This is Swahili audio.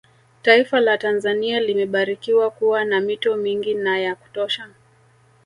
Taifa la Tanzania limebarikiwa kuwa na mito mingi na ya kutosha